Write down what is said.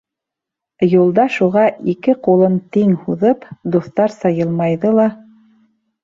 Юлдаш уға, ике ҡулын тиң һуҙып, дуҫтарса йылмайҙы ла: